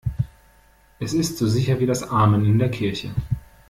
Es ist so sicher wie das Amen in der Kirche.